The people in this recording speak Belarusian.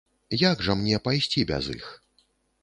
Як жа мне пайсці без іх?